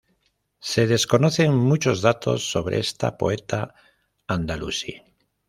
Se desconocen muchos datos sobre esta poeta andalusí.